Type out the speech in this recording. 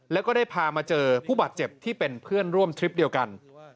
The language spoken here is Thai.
แล้วก็ได้พามาเจอผู้บาดเจ็บที่เป็นเพื่อนร่วมทริปเดียวกัน